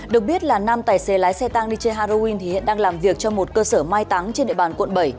được biết là năm tài xế lái xe tang đi chơi halloween hiện đang làm việc cho một cơ sở mai táng trên địa bàn quận bảy